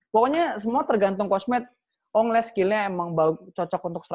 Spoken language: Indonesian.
pokoknya semua tergantung kosmet om ngeliat skillnya emang cocok untuk seratus seratus